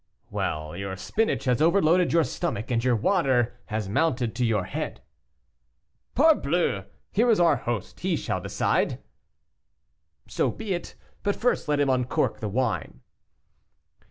"Well, your spinach has overloaded your stomach, and your water has mounted to your head." "Parbleu! here is our host, he shall decide." "So be it, but first let him uncork the wine."